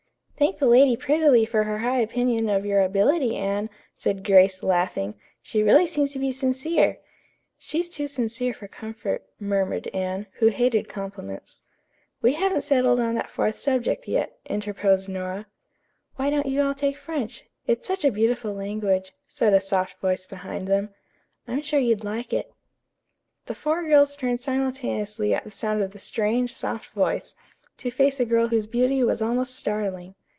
"Thank the lady prettily for her high opinion of your ability, Anne," said Grace, laughing. "She really seems to be sincere." "She's too sincere for comfort," murmured Anne, who hated compliments. "We haven't settled on that fourth subject yet," interposed Nora. "Why don't you all take French, it is such a beautiful language," said a soft voice behind them. "I'm sure you'd like it." The four girls turned simultaneously at the sound of the strange, soft voice, to face a girl whose beauty was almost startling.